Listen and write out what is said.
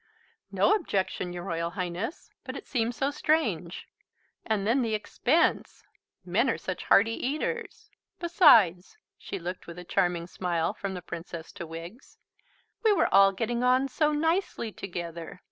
"No objection, your Royal Highness; but it seems so strange. And then the expense! Men are such hearty eaters. Besides," she looked with a charming smile from the Princess to Wiggs, "we were all getting on so nicely together!